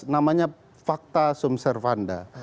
namanya fakta sum servanda